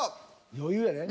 余裕やで。